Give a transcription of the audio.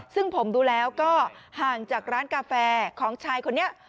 ซึ่งผมดูแล้วก็ห่างจากร้านกาแฟของชายคนนี้